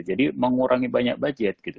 jadi mengurangi banyak budget gitu